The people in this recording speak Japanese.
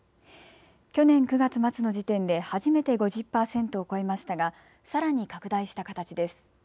去年９月末の時点で初めて５０％を超えましたがさらに拡大した形です。